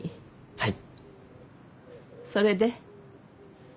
はい。